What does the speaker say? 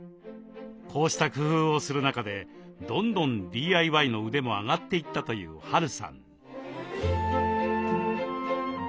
こうした工夫をする中でどんどんＤＩＹの腕も上がっていったというＨ・Ａ・Ｒ・Ｕさん。